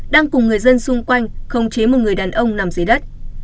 đang cùng người dân xung quanh khống chế một người đàn ông nằm dưới đất